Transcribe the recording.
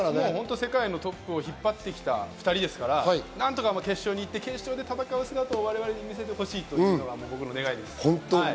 世界のトップを引っ張ってきた２人ですから何とか決勝に行って、決勝で戦う姿を我々に見せてほしいというのが僕の願いです。